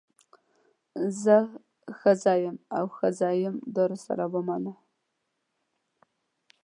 زه ښځه یم او ښځه یم دا راسره ومنه.